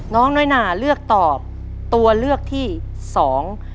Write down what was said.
น้องน้อยนาเลือกตอบตัวเลือกที่สอง